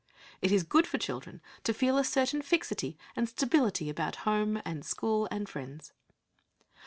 It is good for children to feel a certain fixity and stability about home and school and friends.